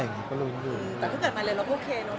แต่พอเกิดมาเลยเราโอเคเนอะ